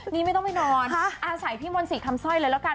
นี่ไม่ต้องไปนอนอาศัยพี่มนต์ศรีคำสร้อยเลยแล้วกัน